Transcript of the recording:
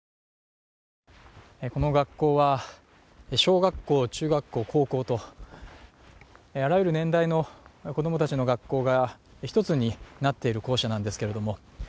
この学校は小学校中学校高校と、あらゆる年代の子供たちの学校が一つになっている校舎なんですけれども。